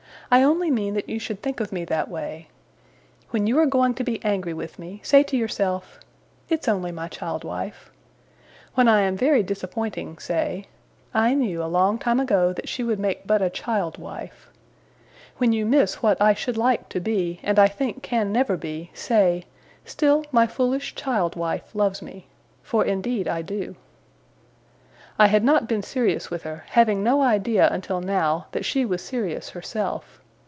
I only mean that you should think of me that way. When you are going to be angry with me, say to yourself, "it's only my child wife!" When I am very disappointing, say, "I knew, a long time ago, that she would make but a child wife!" When you miss what I should like to be, and I think can never be, say, "still my foolish child wife loves me!" For indeed I do.' I had not been serious with her; having no idea until now, that she was serious herself.